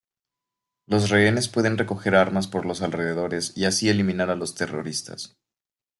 Los rehenes pueden recoger armas por los alrededores y así eliminar a los terroristas.